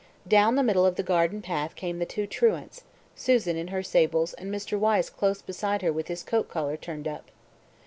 Down the middle of the garden path came the two truants, Susan in her sables and Mr. Wyse close beside her with his coat collar turned up.